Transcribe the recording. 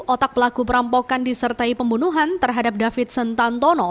otak pelaku perampokan disertai pembunuhan terhadap david sentantono